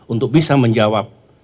untuk bisa menjawab